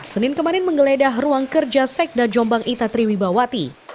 senin kemarin menggeledah ruang kerja sekda jombang ita triwibawati